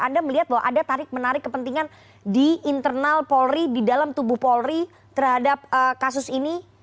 anda melihat bahwa ada tarik menarik kepentingan di internal polri di dalam tubuh polri terhadap kasus ini